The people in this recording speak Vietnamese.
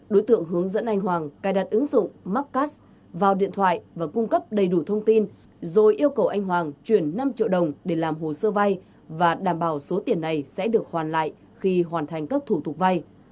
đối tượng hướng dẫn anh hoàng cài đặt ứng dụng marccast vào điện thoại và cung cấp đầy đủ thông tin rồi yêu cầu anh hoàng chuyển năm triệu đồng để làm hồ sơ vay và đảm bảo số tiền này sẽ được hoàn lại khi hoàn thành các thủ tục vay